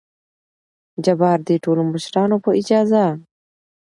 جبار : دې ټولو مشرانو په اجازه!